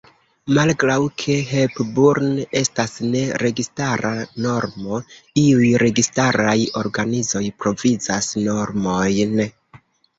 Malgraŭ ke Hepburn estas ne registara normo, iuj registaraj organizoj provizas normojn.